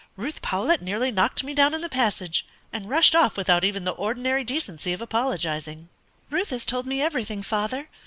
"Ruth Powlett nearly knocked me down in the passage, and rushed off without even the ordinary decency of apologising." "Ruth has told me everything, father.